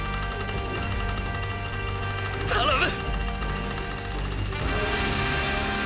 頼む！！